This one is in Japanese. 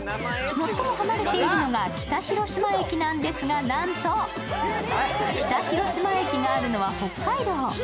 最も離れているのが北広島駅なんですがなんと北広島駅があるのは北海道。